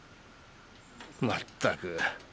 まったく。